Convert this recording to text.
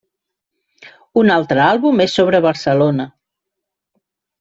Un altre àlbum és sobre Barcelona.